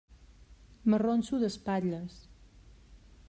M'arronso d'espatlles.